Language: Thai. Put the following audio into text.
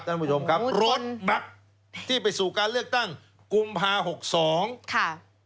ท่านผู้ชมครับรถบัตรที่ไปสู่การเลือกตั้งกุมภา๖๒ค่ะ